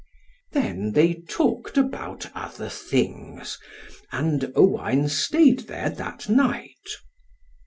Then they talked about other things, and Owain staid there that night.